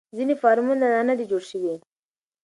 ځینې فارمونه لا نه دي جوړ شوي.